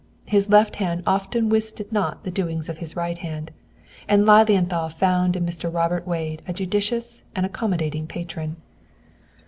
His left hand often wisted not the doings of his right hand, and Lilienthal found in Mr. Robert Wade a judicious and accommodating patron.